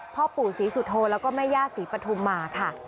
พ่อปู่ศรีสุโธแล้วก็แม่ย่าศรีปฐุมมาค่ะ